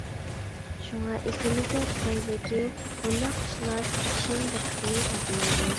شۇڭا ئېسىمىزدە تۇتايلىكى، بۇنداق ئىشلار كىشىنىڭ دىققىتىنى تارتمايدۇ.